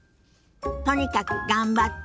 とにかく頑張って。